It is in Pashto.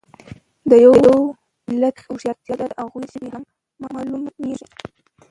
د یو ملت ويښتیا د هغوی له ژبې هم مالومیږي.